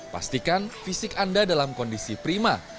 pastikan fisik anda dalam kondisi prima